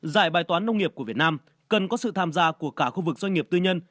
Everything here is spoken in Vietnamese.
giải bài toán nông nghiệp của việt nam cần có sự tham gia của cả khu vực doanh nghiệp tư nhân